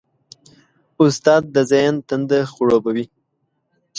استاد د ذهن تنده خړوبوي.